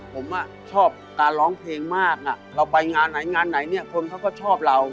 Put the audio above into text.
ผมอะชอบการร้องเพลงมากเราไปงานไหนคนเขาก็ชอบเรา